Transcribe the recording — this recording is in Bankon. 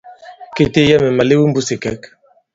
Kê teeyɛ mɛ̀ màlew i mbūs ì ìkɛ̌k.